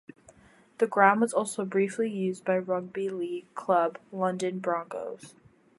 The ground was also briefly used by rugby league club London Broncos.